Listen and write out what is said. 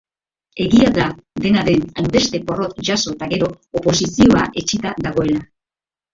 Egia da dena den hainbeste porrot jaso eta gero oposizioa etsita dagoela.